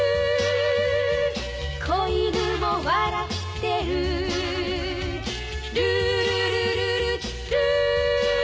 「小犬も笑ってる」「ルールルルルルー」